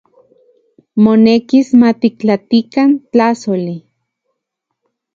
Monekis matiktlatikan tlajsoli.